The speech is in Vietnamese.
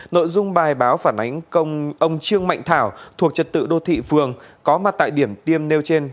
nội dung bài báo phản ánh ông trương mạnh thảo thuộc trật tự đô thị phường có mặt tại điểm tiêm nêu trên